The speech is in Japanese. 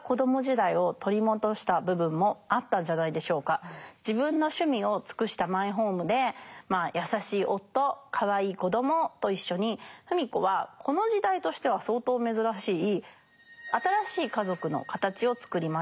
一方芙美子は自分の趣味を尽くしたマイホームで優しい夫かわいい子どもと一緒に芙美子はこの時代としては相当珍しい新しい家族の形をつくりました。